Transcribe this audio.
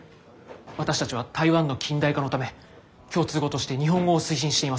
私たちは台湾の近代化のため共通語として日本語を推進しています。